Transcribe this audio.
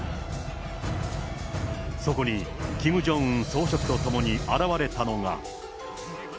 そこにキム・ジョンウン総書記と共に現れたのが。